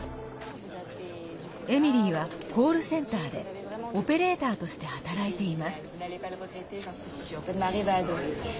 エミリーは、コールセンターでオペレーターとして働いています。